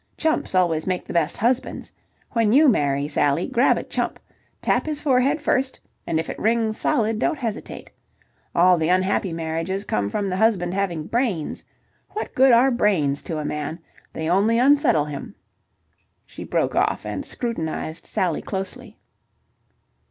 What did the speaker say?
Chumps always make the best husbands. When you marry, Sally, grab a chump. Tap his forehead first, and if it rings solid, don't hesitate. All the unhappy marriages come from the husband having brains. What good are brains to a man? They only unsettle him." She broke off and scrutinized Sally closely.